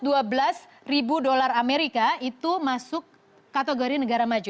empat dolar amerika itu masuk kategori negara maju